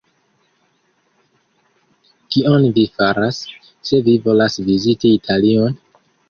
Kion vi faras, se vi volas viziti Italion?